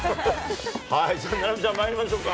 菜波ちゃん、まいりましょうか。